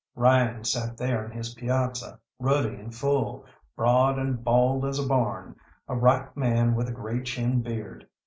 Ryan sat there in his piazza, ruddy and full, broad and bald as a barn, a ripe man with a grey chin beard.